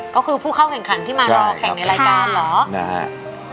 ก็คือผู้เข้าแข่งขันที่มารอแข่งในรายการเหรอนะฮะ